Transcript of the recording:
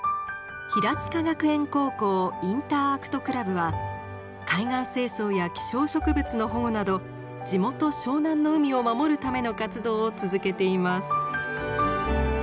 平塚学園高校インターアクトクラブは海岸清掃や希少植物の保護など地元湘南の海を守るための活動を続けています。